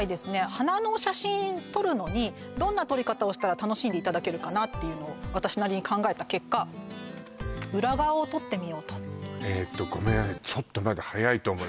花の写真撮るのにどんな撮り方をしたら楽しんでいただけるかなっていうのを私なりに考えた結果裏側を撮ってみようとえーっとごめんなさい